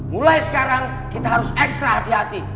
mulai sekarang kita harus ekstra hati hati